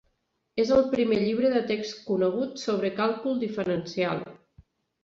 És el primer llibre de text conegut sobre càlcul diferencial.